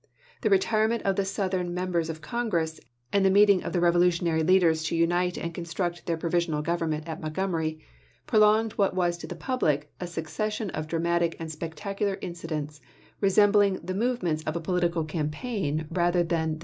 The retirement of the Southern Members of Congress, and the meeting of the revolutionary leaders to unite and construct their provisional government at Montgomery, prolonged what was to the public a succession of dramatic and spectacular incidents, resembling the move THE CONSTITUTIONAL AMENDMENT 235 ments of a political campaign rather than the chap.